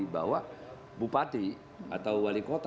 bahwa bupati atau wali kota